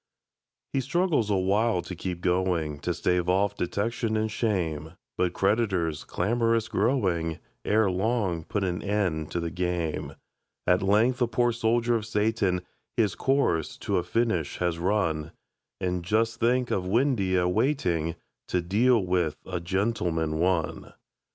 He struggles awhile to keep going, To stave off detection and shame; But creditors, clamorous growing, Ere long put an end to the game. At length the poor soldier of Satan His course to a finish has run And just think of Windeyer waiting To deal with "A Gentleman, One"!